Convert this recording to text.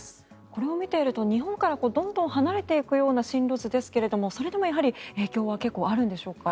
これを見ていると日本からどんどん離れていくような進路図ですけれどそれでもやはり影響は結構あるんでしょうか？